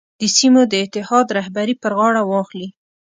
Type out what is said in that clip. د سیمو د اتحاد رهبري پر غاړه واخلي.